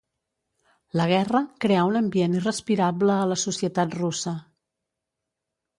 La guerra creà un ambient irrespirable a la societat russa.